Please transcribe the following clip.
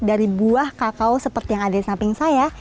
dari buah kakao seperti yang ada di samping saya